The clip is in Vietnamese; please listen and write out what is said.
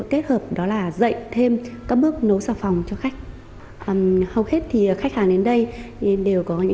dịch vụ homestay ở đây đã đáp ứng đa dạng nhu cầu của du khách như phòng tập thể hay cho thuê nguyên căn nhà với nhóm du lịch đồng người